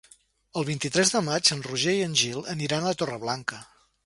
El vint-i-tres de maig en Roger i en Gil aniran a Torreblanca.